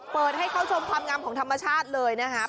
เปิดให้เข้าชมความงามของธรรมชาติเลยนะครับ